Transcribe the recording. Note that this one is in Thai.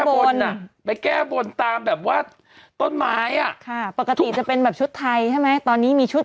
บนอ่ะไปแก้บนตามแบบว่าต้นไม้อ่ะค่ะปกติจะเป็นแบบชุดไทยใช่ไหมตอนนี้มีชุด